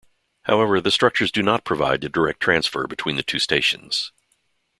However, the structures do not provide a direct transfer between the two stations.